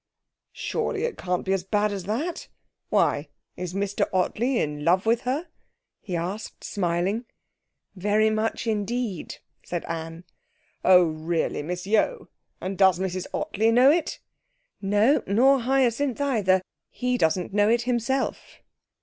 'Surely it can't be as bad as that! Why is Mr Ottley in love with her?' he asked, smiling. 'Very much indeed,' said Anne. 'Oh, really, Miss Yeo! and does Mrs Ottley know it?' 'No, nor Hyacinth either. He doesn't know it himself.'